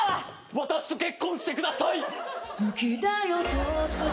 私と結婚してください！